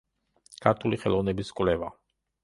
ქართული ხელოვნების კვლევა.